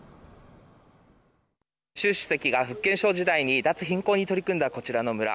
習主席が福建省時代に脱貧困に取り組んだこちらの村。